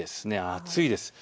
暑いです。